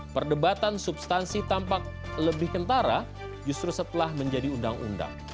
perdebatan substansi tampak lebih kentara justru setelah menjadi undang undang